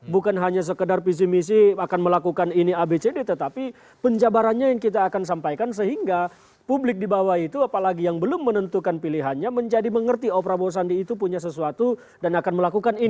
bukan hanya sekedar visi misi akan melakukan ini abcd tetapi penjabarannya yang kita akan sampaikan sehingga publik di bawah itu apalagi yang belum menentukan pilihannya menjadi mengerti oh prabowo sandi itu punya sesuatu dan akan melakukan ini